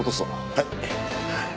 はい。